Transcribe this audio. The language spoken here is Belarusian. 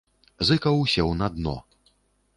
Зыкаў сеў на дно.